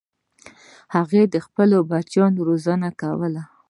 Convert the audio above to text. هغه د خپلو بچیانو روزنه کوله.